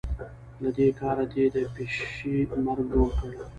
له دې کاره دې د پيشي مرګ جوړ کړ.